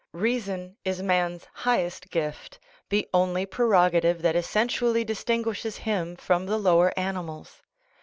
Rea son is man's highest gift, the only prerogative that es sentially distinguishes him from the lower animals.